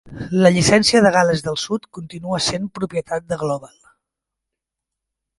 La llicència de Gal·les del Sud continua sent propietat de Global.